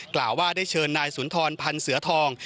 กล่าวว่าได้เชิญนายสุนทรพันธ์เสือทอง